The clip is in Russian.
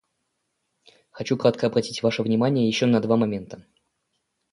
Хочу кратко обратить ваше внимание еще на два момента.